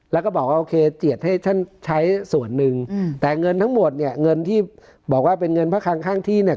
แล้วก็บอกว่าโอเคเจียดให้ท่านใช้ส่วนหนึ่งแต่เงินทั้งหมดเนี่ยเงินที่บอกว่าเป็นเงินพระคังข้างที่เนี่ย